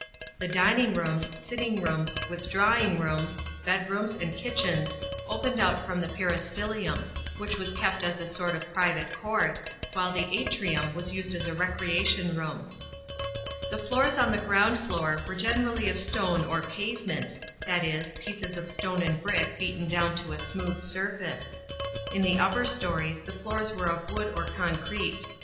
'I he dining rooms, sitting rooms, withdrawing rooms, bed rooms and kitchens opened out from the pet istylium, which was kept as a sort of private court, while the atrium was used as a recei tion room. The floors on the ground floor were generally of stone or "pavement,"f that is, pieces of stone and brick beaten down to a smooth surface ; in the upper storeys the floors were of wood or concrete.